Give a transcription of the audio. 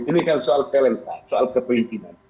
ini kan soal talenta soal kepemimpinan